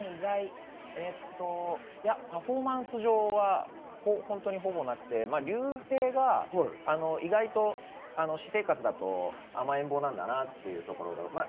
パフォーマンス上はほぼなくて、ＲＹＵＨＥＩが意外と私生活だと甘えん坊なんだなっていうところ。